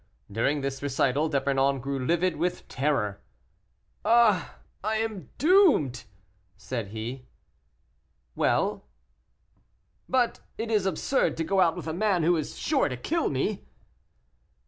During this recital D'Epernon grew livid with terror. "Ah! I am doomed," said he. "Well?" "But it is absurd to go out with a man who is sure to kill me."